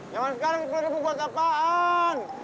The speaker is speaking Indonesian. ya mas sekarang sepuluh ribu buat apaan